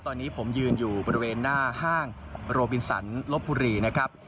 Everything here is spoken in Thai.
ตอนนี้ผมยืนอยู่บริเวณหน้าห้างโรบินสันลบบุรีนะครับ